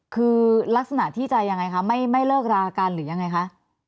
คือลักษณะที่จะยังไงคะไม่เลิกรากันหรือยังไงคะ